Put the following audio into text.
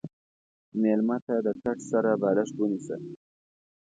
مېلمه ته د کټ سره بالښت ونیسه.